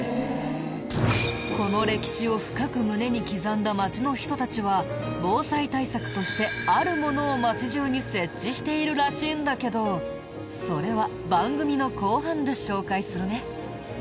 この歴史を深く胸に刻んだ町の人たちは防災対策としてあるものを町中に設置しているらしいんだけどそれは。